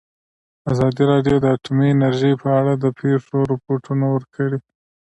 ازادي راډیو د اټومي انرژي په اړه د پېښو رپوټونه ورکړي.